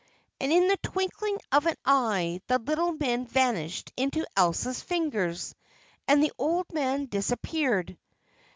_" And in the twinkling of an eye the little men vanished into Elsa's fingers, and the old man disappeared.